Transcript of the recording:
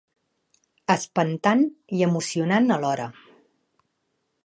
Espantant i emocionant alhora.